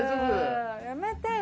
やめてよ。